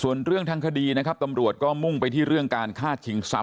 ส่วนเรื่องทางคดีนะครับตำรวจก็มุ่งไปที่เรื่องการฆ่าชิงทรัพ